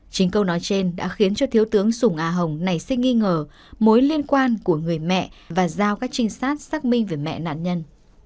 chính câu nói trên đã khiến cho thiếu tướng sùng a hồng nảy sinh nghi ngờ mối liên quan của người mẹ và giao các trinh sát xác minh về mẹ nạn nhân